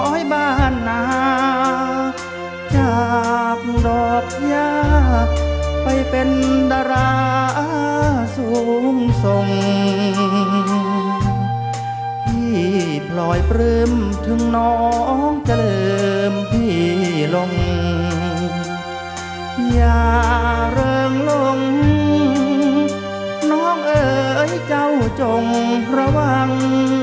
มองจะเริ่มที่หลงอย่าเริ่งลงน้องเอ๋ยเจ้าจงระวัง